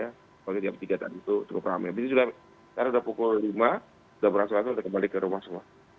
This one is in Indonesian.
tapi ini sudah sekarang sudah pukul lima sudah beransur ansur sudah kembali ke rumah semua